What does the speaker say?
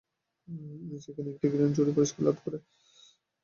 সেখানে এটি grand jury পুরস্কার লাভ করে।